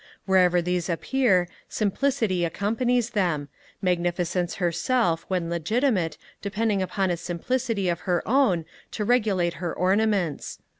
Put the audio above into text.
Wherever these appear, simplicity accompanies them, Magnificence herself, when legitimate, depending upon a simplicity of her own, to regulate her ornaments.